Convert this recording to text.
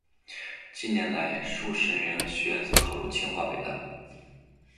近年来，数十名学子考入清华、北大